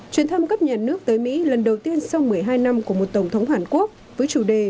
chuyến thăm cấp nhà nước tới mỹ lần đầu tiên sau một mươi hai năm của một tổng thống hàn quốc với chủ đề